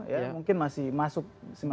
ya mungkin masih masuk